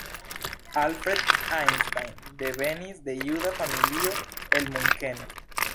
Alfred Einstein devenis de juda familio el Munkeno.